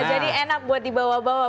jadi enak buat dibawa bawa